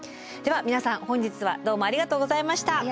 では皆さん本日はどうもありがとうございました。